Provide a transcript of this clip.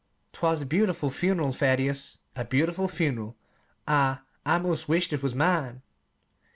"'T was a beautiful fun'ral, Thaddeus a beautiful fun'ral. I I 'most wished it was mine."